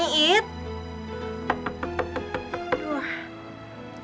ya itu dong